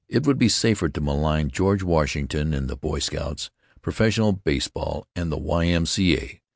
It would be safer to malign George Washington and the Boy Scouts, professional baseball and the Y. M. C. A.